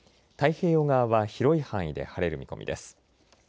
太平洋側は広い範囲で晴れる見込みです。